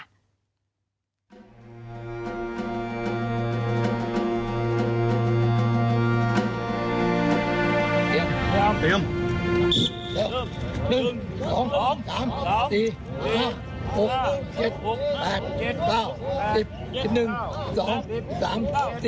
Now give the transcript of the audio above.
เตรียมเตรียม